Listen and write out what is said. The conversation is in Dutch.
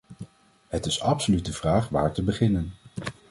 Het is absoluut de vraag waar te beginnen.